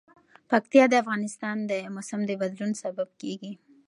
پکتیا د افغانستان د موسم د بدلون سبب کېږي.